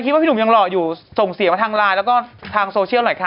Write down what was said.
พี่หนุ่มยังหล่ออยู่ส่งเสียมาทางไลน์แล้วก็ทางโซเชียลหน่อยค่ะ